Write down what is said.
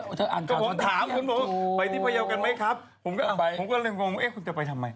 ผมก็เร็วมนฮังว่าเอ้าขวัญจะไปทำไม